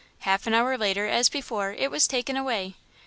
Half an hour later, as before, it was taken away.